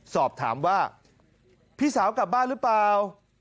สอบถามว่าพี่สาวกลับบ้านหรือเปล่า